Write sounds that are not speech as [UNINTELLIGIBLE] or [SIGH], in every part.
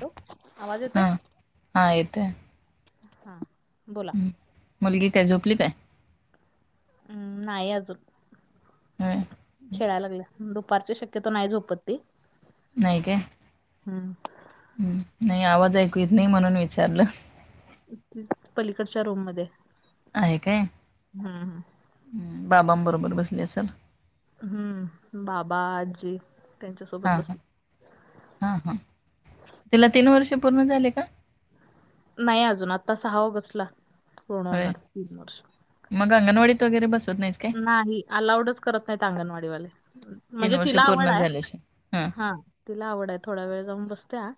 Hello आवाज येतोय. हा येतय. हा बोला. मुलगी काय झोपलीत काय. हम् नाही अजून होय खेळायला लागला दुपारची शक्यत नाही झोपत. ती नाही काय हम्म नाही आवाज ऐकू यत नाही म्हणून विचारलं. पलीकडच्या रूम मध्ये हाय. आहे काय बाबांबरोबर बसली असेल. हम्म बाबा आजी त्यांच्यासोबत बसली. हा हा तिला तीन वर्ष पूर्ण झाले का. नाही अजून आता सहा ऑगस्टला पूर्ण होय होणार तीन वर्ष. मग अंगणवाडीत वगैरे बस नाही अलाऊडच करत नाही अंगणवाडीवाले. तीन म्हणजे वर्ष तिला पूर्ण आवड आहे झाल्याशी हां हा तिला आवड आहे थोडा वेळ जाऊन बसत्या.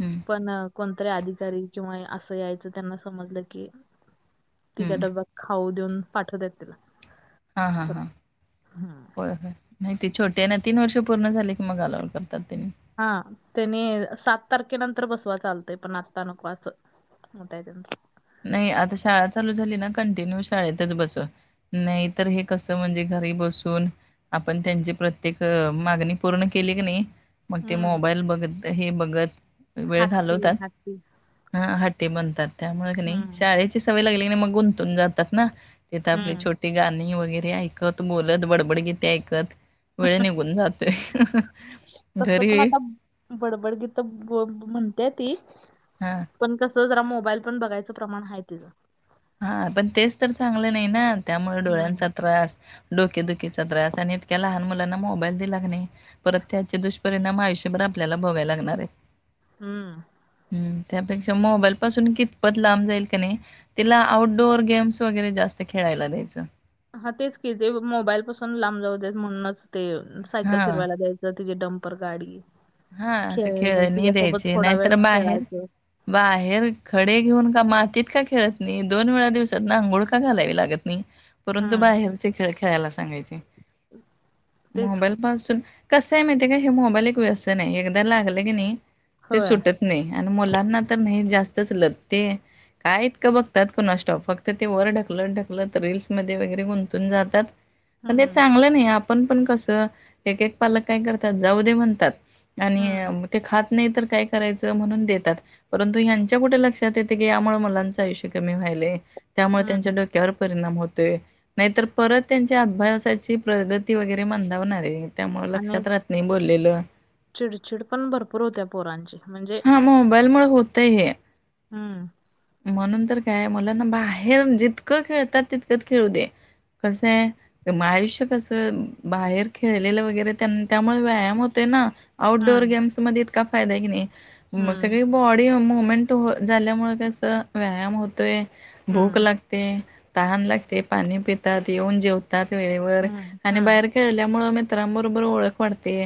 हं, पण कोणतरी अधिकारी किंवा असं यायचं त्यांना समजलं की. तिच्या हं. डब्यात खाऊ देऊन पाठवतात तिला. हा हा परत हम्म. होय होय नाही ते छोटी. त्यांना तीन वर्ष पूर्ण झाले की मग अलावड करतात ते. हा त्यानी सात तारखेनंतर बसवा चालतय पण आत्ता नको असं. मतयत [UNINTELLIGIBLE] नाही आता शाळा चालू झाली ना कंटिन्यू शाळेतच बसून. नाही तर हे कसं म्हणजे घरी बसून. आपण त्यांची प्रत्येक मागणी पूर्ण केली की नाही. मग ते हम्म मोबाईल बघत हे बघत. वेळ हत्ती घालवतात हत्ती हा हटी बनतात त्यामुळे नाही हम्म शा ळेची सवय लागली मग गुंतून जातात ना आपल्या हम्म छो ती गाणी वगैरे ऐकत बोलत बडबडगीती ऐकत. वेळ निघून जातो घरी. बडबडगी बो म्हणत्या ती. हा. पण कस जरा मोबाईल पण बघायचं प्रमाण आहे तिज. हा पण तेच तर चांगलं नाही ना त्यामुळे हम्म डोळ्यांचा त्रास. डोकेदुखीचा त्रास आणि इतक्या लहान मुलांना मोबाईल दिलाग नाही परत त्याचे दुष परिणाम आयुष्यभर आपल्याला भोगावे लागणार आहे. हम्म हम्म त्यापेक्षा मोबाईल पासून कितपत लांब जाईल का नाही तिला आउटडोअर गेम्स वगैरे जास्त खेळायला द्यायच. हा तेच कि. ते मोबाईल पासून लांब जाऊ देत म्हणूनच ते सायकल हां, फिरवायला द्यायच. तिची डंपर गाडी‌, हां, असं खेळणी तिच्यासोबत द्यायची. थोडा वेळ नाहीतर बाहेर खेळायच. बाहेर खडे घेऊन का मातीत का खेळत नाही. दोन वेळा दिवसात ना अंघोळ का घालावी लागत नाही. परंतु हम्म बाहेरचे खेळ खेळायला सांगायचे. तेच मोबाईल पासून कस आहे माहिती आहे का? हे मोबाईल एक व्यसन आहे. एकदा लागल की नाही ते होय सुटत नाही आणि मुलांना कि नाही जास्तच लगते. काय इतक बघतात कोनास ठाउक. फक्त ते वर ढकलत ढकलत रील्स मध्ये वगैरे गुंतून जातात. पण ते हम्म चांगलं नाही. आपण पण कसं एक एक पालक काय करतात जाऊ दे म्हणतात. हम्म आणि ते खात नाही तर काय करायच. म्हणून देतात. परंतु ह्यांच्या कुठे लक्षात येते की यामुळे मुलांचं आयुष्य कमी व्हायले. त्यामुळे त्यांच्या हम्म डोक्यात कर परिणाम होतोय. नाहीतर परत त्यांच्या अभ्यासाची प्रगती वगैरे मंदावणार आहे. त्यामुळं आणि लक्षात राहत नाही बोललेल. चिडचिड पण भरपूर होत्या पोरांची. म्हणजे हां मोबाईलमुळे होतय हे. हम्म म्हणून तर काय मुला ना बाहेर जितक खेळतात तितक खेळू दे. कसंय आयुष्य कसं बाहेर खेळलेलं वगैरे त्यांना त्यामुळे व्यायाम होते ना. आउटडोअर हम्म, गेम्समध्ये इतका फायदा आहे की नाही हम्म, सगळी बॉडी मुवमेंट झाल्यामुळे कस व्यायाम होतोय. भूक हम्म, लागते. ते तहान लागते. पाणी पितात. येऊन जेवतात वेळेवर. हम्म, आणि हम्म, बाहेर खेळल्यामुळे मित्रांबरोबर ओळख वाढते.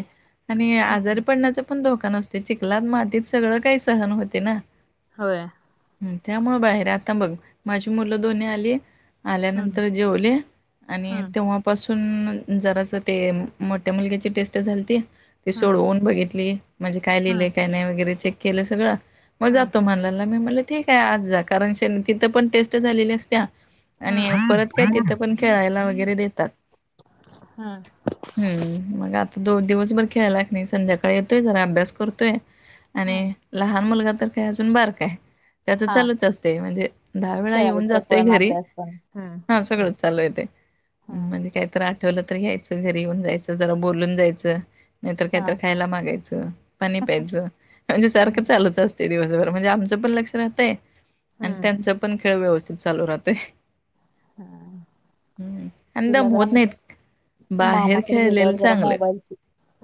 आणि हम्म, आजारी पडण्याच पण धोका नसते. चिकलात मातीत सगळं काही सहन होते ना. होय. त्यामुळ बाहेर, आता बघ माझी मुलं दोन्ही आली हम्म, आल्यानंतर जेवले आणि हम्म, तेव्हा पासून जरास ते मोठ्या मुलग्याची टेस्ट झालती ती हम्म, सोडवून बघितली. म्हणजे काय लिहिले हम्म, काय नाही वगैरे चेक केल सगळ. मग हम्म, जातो म्हणला. मी म्हणलं ठीक आहे. आज जा कारण तिथ पण टेस्ट झालेली असत्या. हम्म, आणि परत काय तिथं पण खेळायला वगैरे देतात. हम्म हम्म मग आता तो दिवसभर खेळला कि नाही संध्याकाळी येतोय. जरा अभ्यास करतोय. हम्म. आणि लहान मुलगा तर काय अजून बारका आहे. त्याच हा चालूच असते. म्हणजे दहा वेळा येऊन खेळायचं जातोय पण घरी. अभ्यास हम्म हा सगळंच चालू आहेे ते. हम्म, म्हणजे काही तरी आठवल तर घ्यायच. घरी येऊन जायच. जरा बोलून जायच. नाहीतर हा काहीतर खायला मागायच. पाणी प्यायच. म्हणजे हम्म, सारख चालूच असत. ते दिवसभर म्हणजे आमचं पण लक्ष राहतय. आणि हम्म, त्यांचा पण खेळ व्यवस्थित चालू राहतय. हम्म आणि तिला दम होत जरा नाहीत. बाहेर मामाकडे खेळलेलं गेल्यावर जरा चांगलं मोबाईलची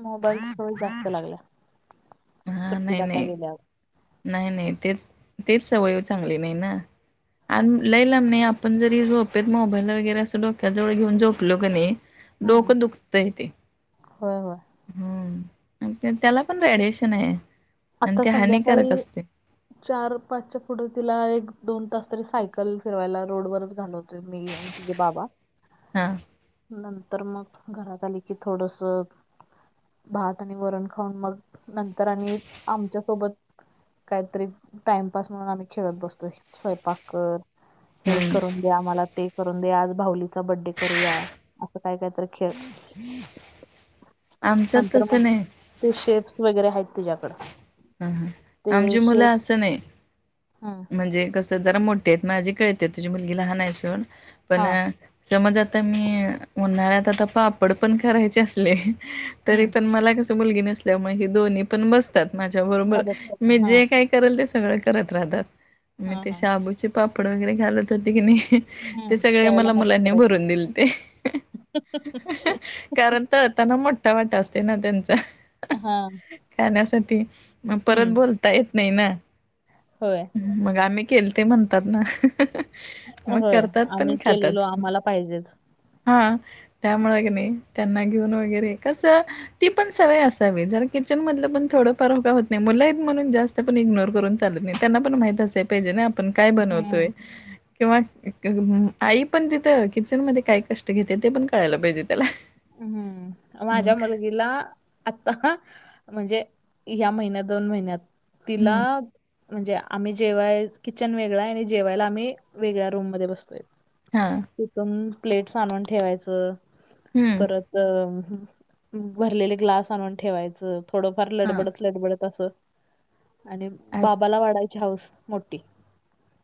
मोबाईलची सवय जास्त लागल्या. हा सुट्टीत नाही आता नाही गेल्यावर नाही नाही तेच तेच सवय चांगली नाही ना. आणि लई लांब नाही. आपण जरी झोपेत मोबाईल वगैरे अस डोक्याजवळ घेऊन झोपलो क नाही डोक दुखतय ते. हो हो हम्म आणि त्याला पण रेडिएशन आहे. आणि आता ते हानिकारक संध्याकाळी असते. [INAUDIBLE] चार पाचच्या पुढे तिला, एक दोन तास तरी सायकल फिरवायला रोडवरच घालवतोय, मी आणि तिचे बाबा. हा. नंतर मग, घरात आली की थोडसं. भात आणि वरण खाऊन मग, नंतर आणि आमच्यासोबत काहीतरी टाइमपास म्हणून, आम्ही खेळत बसतोय. स्वयंपाकर हे हम्म करून, आम्हाला ते करून दे, आज भाऊलीचा बड्डे करूया असं काय कायतर खेळ. [INAUDIBLE] आमच्यात नंतर मग, तसं नाही ते शेप्स वगैरे आहेत तिच्याकडं. हा हा, आमची मुलं असं नाही. हम्म म्हणजे कसं जरा मोठेयेत माझी कळतेत. तुझी मुलगी लहान आहे सूड पण, हा समज आता मी, उन्हाळ्यात आता पापड पण करायचे असले. तरी हम्म पण मला कस मुलगी नसल्यामुळे, ही दोन्ही पण बसतात. माझ्या बरोबर मदत कर मी हा जे काय, करल ते सगळं करत राहतात. मी हा ते हा शाबूचे पापड वगैरे घालत होते की नाही. ते हम्म सगळे त्यावेळेला मला मदत मुलांनी भरून दिलते. करायची कारण तळ त्यांना मोठा वाटा असते ना त्यांचा, हा खाण्यासाठी मग परत बोलतात. हम्म बोलता येत नाही ना. होय. मग आम्ही केलं ते, म्हणतात ना. मग होय करतात, पण आम्ही केलेलो खातात आम्हाला पाहिजेच हां. त्यामुळं कनी, त्यांना घेऊन वगैरे कसं. ती पण सवय असावी. जर किचनमधलं पण थोडं. परव का होत नाही. मुलं आहेत म्हणून जास्त पण इग्नोर करून चालत नाही, त्यांना पण माहित असेल. पाहिजे ना, आपण काय बनवतोय. हम्म किंवा आई पण तिथं, किचन मध्ये काय कष्ट घेते ते पण कळायला पाहिजेत. हम्म. माझ्या मुली हिला आता म्हणजे, ह्या महिन्यात दोन महिन्यात. तिला, हं, म्हणजे आम्ही जेवाय, किचन वेगळा आहे आणि जेवायला आम्ही वेगळ्या रूम मध्ये बसतोय. हा. तिथून प्लेट्स आणून ठेवायचं. हम्. तसं भरलेले ग्लास आणून ठेवायच. थोडंफार हां, लडबडत लडबडत असं. आणि आ बाबाला वाढायची हाऊस मोठी.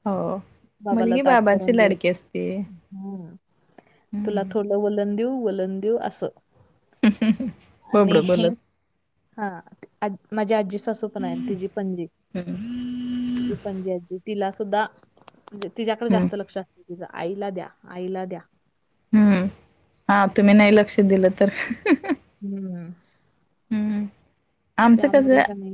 हो. बाबाला मुलगी ताट करून बाबाची लाडकी द्यायचं. असते. हम्म. तुला हं, थोड वलण देऊ, वलण देऊ असं. आणि, बोबडं बोलत. हा. आज माझी आजी सासू पण आहे, तिची पणजी. [UNINTELLIGIBLE] पंजी आजी तिला सुद्धा, तिच्याकडं हं, जास्त लक्ष. तिचं आईला द्या आईला द्या. हम्म. हा तुम्ही नाही, लक्ष दिलं तर. हम्म. हम्म, आमचं त्यामुळे कसं. का नाही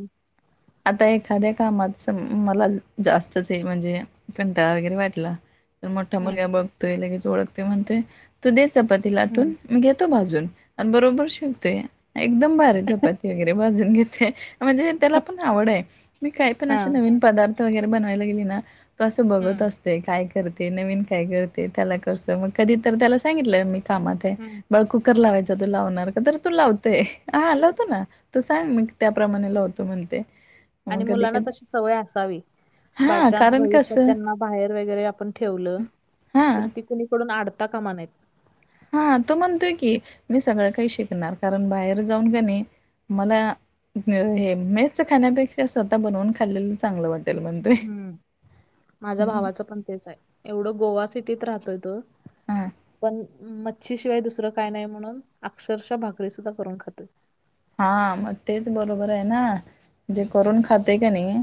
आता एखाद्या कामाचं मला, जास्तच हे म्हणजे कंटाळा वगैरे वाटला. तर मोठा हम्म मुलगा बघतोय लगेच, ओळखतोय म्हणतोय तू दे चपाती हम्म लाटून. मी घेतो भाजून आणि बरोबर शिकतोय, एकदम भारी चपाती वगैरे भाजून घेतोय. म्हणजे त्याला पण आवड आहे मी काही पण हा असे नवीन पदार्थ वगैरे बनवायला गेले ना तसं बघत हम्म असतोय काय करते नवीन काय करते त्याला कसं मग कधी तर त्याला सांगितलं मी कामात हम्म ब कुकर हम्म लावायच तू लावणार का तर तू लावते ह हा लावतो ना तो सांग मी त्याप्रमाणे लावतो म्हणते आणि मग कधी मुलांना कधी तशी सवय असावी बाय हां, चान्स कारण भविष्यात कसं त्यांना बाहेर वगैरे आपण ठेवलं तर हां, ती कुणीकडून आडता कामा नाहीत हा तो म्हणतोय की मी सगळं काही शिकणार कारण बाहेर जाऊन का नाही. मला हे मेज खाण्यापेक्षा स्वतः बनवून खाल्लेलं चांगलं वाटतं. हम्म माझ्या हं, भावाचं पण तेच आहे एवढं गोवा सिटीत राहतोय तो हां, पण मच्छीशिवाय दुसरं काय नाही म्हणून अक्षरशः भाकरी सुद्धा करून खाते. हा मग तेच बरोबर आहे ना जे करून खाते का नाही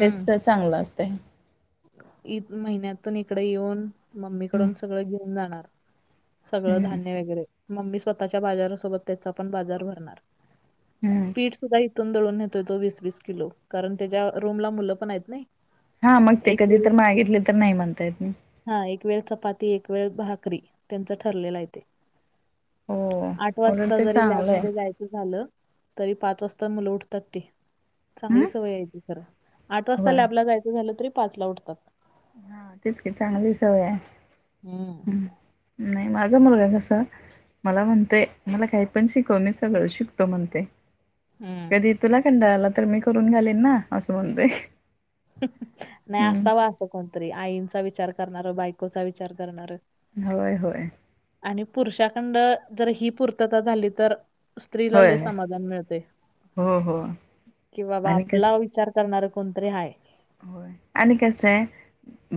तेच चांगलं असतें. एक महिन्यातून इकडे येऊन हं, मम्मीकडून सगळं घेऊन जाणार. सगळं हं, धान्य वगैरे मम्मी स्वतःच्या बाजारासोबत त्याचा पण बाजार भरणार हं. पीठ सुद्धा त दळून नेतोय तो वीस वीस किलो कारण त्याच्या रूमला मुलं पण आहेत नाही. हा मग ते एक कधी वेळ तर मागितले तर नाही म्हणता येत नाही. हा एक वेळ चपाती एक वेळ भाकरी त्यांचं ठरलेला आहेे ते हो, आठ उलट वाजता ते जरी चांगलं आहे. लॅबमध्ये जायचं झालं तरी पाच वाजता मुलं उठतात ते चांगली हं, सवय आहेय ती खरं आठ वाजता होय. लॅबला जायचं झालं तरी पाच ला उठतात. हा तेच क चांगली सवय आहे. हम्म नाही माझा मुलगा कसं मला म्हणतेय मला काही पण शिकव मी सगळं शिकतो म्हणते. हम्म कधी तुला कंटाळाला तर मी करून घालेन ना असं म्हणतोय. नाही हम्म असा वा असं कोणतरी आईंचा विचार करणार बायकोचा विचार करणार होय होय आणि पुरुषाखंड जर ही पूर्तता झाली तर स्त्रीला होय ल समाधान मिळते हो हो कि बाबा आणि आपला विचार करणार कोणतरी आहेय हो आणि कसें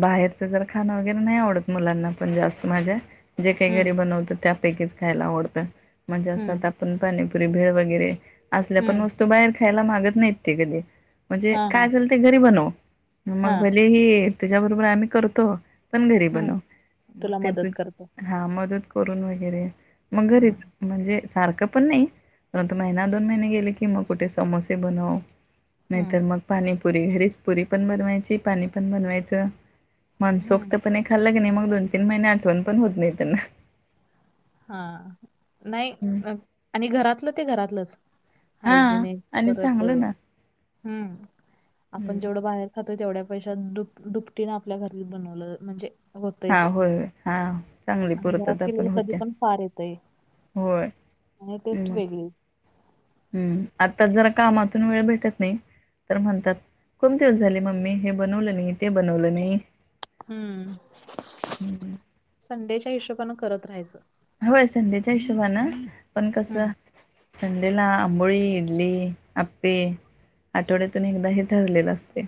बाहेरचं जर खाणं वगैरे नाही आवडत मुलांना पण जास्त माझ्या जे काही हम्म घरी बनवतं त्यापैकीच खायला आवडतं म्हणजे असं हम्म आता पण पाणीपुरी भेळ वगैरे असल्या पण हम्म वस्तू बाहेर खायला मागत नाहीत ते कधी म्हणजे हा हा काय असेल ते घरी बनव मग हा भले ह तुझ्या बरोबर आम्ही करतो. पण घरी हम्म बनव मग तुला ते मदत तू करतो हा मदत करून वगैरे मग हम्म घरीच म्हणजे सारखं पण नाही परंतु महिना दोन महिने गेले की मग कुठे समोसे बनव हम्म नाहीतर मग पाणीपुरी पुरी घरीच पुरी पण बनवायची पाणी पण बनवायचं. मनसोक्त हम्म पण खाल्ला के नाही मग दोन तीन महिने आठवण पण होत नाही त्यांना. हा नाही आणि घरातलं ते घरातलंच हा हायजेनिक आणि करत चांगलं ना हम्म आपण जेवढं बाहेर ह तो तेवढ्या पैशा दु दुपटीने आपल्या घरात बनवलं म्हणजे होतंय हा ते होय हा चांगली पूर्तता पण होत्या एकदम फार येत आहे होय आणि टेस्ट मग वेगळी हम्म आता जरा कामातून वेळ भेटत नाही तर म्हणतात. कोण दिवस झाले मम्मी हे बनवलं नाही ते बनवलं नाही. हम्म संडेच्या हिशोबनें करत राहायचं. होय संडेच्या हिशोबने पण कसं हम्म. संडेला अंबोळी, इडली, अप्पे आठवड्यातून एकदा हे ठरलेलं असतय.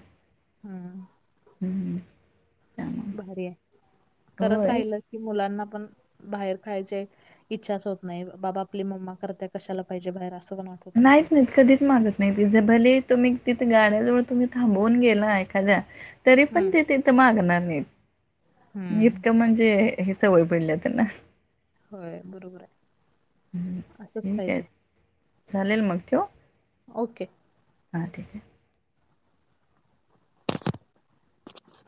हम्म त्यामुळे भारी आहे करत होय. राहिल की मुलांना पण बाहेर खायचंय इच्छाच होत नाही बाबा आपली मम्मा करत्या कशाला पाहिजे बाहेर अस पण वाटतयं नाहीत नाही कधीच मागत नाही ती भले तुम्ही तिथे गाड्याजवळ तुम्ही थांबवून गेला एखाद्या तरी पण हम्म ते तिथं मागणार नाहीत हम्म इतकं म्हणजे? ही सवय पडल्या त्यांना. होय बरोबर आहे असंच पाहिजे. चालेलं मग ठेवु. ओके. हा ठीक आहे